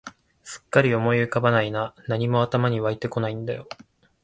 すっかり思い浮かばないな、何も頭に湧いてこないんだよ